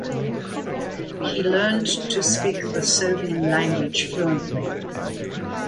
He learned to speak the Serbian language fluently.